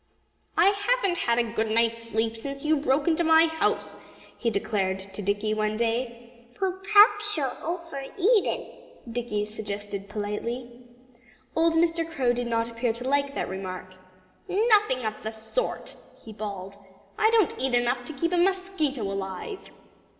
"I haven't had a good night's sleep since you broke into my house," he declared to Dickie one day. "Perhaps you're over eating," Dickie suggested politely. Old Mr. Crow did not appear to like that remark. "Nothing of the sort!" he bawled. "I don't eat enough to keep a mosquito alive."